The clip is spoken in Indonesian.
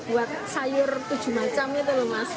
buat sayur tujuh macam itu loh mas